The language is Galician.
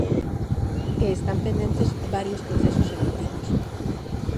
E están pendentes varios procesos selectivos.